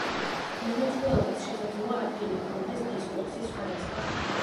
მონაცვლეობას შესაძლოა ადგილი ჰქონდეს დისკურსის სხვადასხვა ადგილზე.